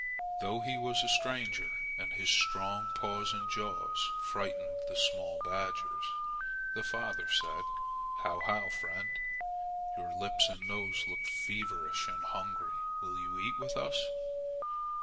Though he was a stranger and his strong paws and jaws frightened the small badgers, the father said, "How, how, friend! Your lips and nose look feverish and hungry. Will you eat with us?"